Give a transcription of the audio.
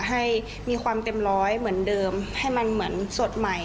ให้มีความเต็มร้อยเหมือนเดิมให้มันเหมือนสดใหม่